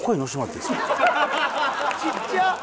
ちっちゃ！